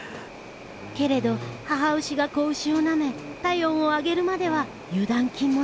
けれど母牛が子牛をなめ体温を上げるまでは油断禁物。